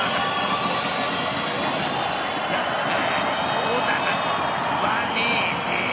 そうだなこと言わねえで。